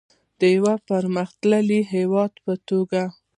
د یو پرمختللي هیواد په توګه.